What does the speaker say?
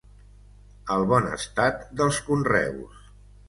El bon estat dels conreus.